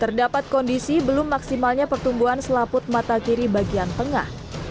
terdapat kondisi belum maksimalnya pertumbuhan selaput mata kiri bagian tengah